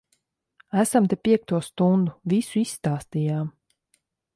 Esam te piekto stundu. Visu izstāstījām.